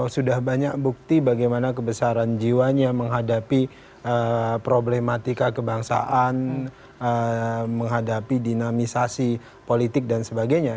sudah banyak bukti bagaimana kebesaran jiwanya menghadapi problematika kebangsaan menghadapi dinamisasi politik dan sebagainya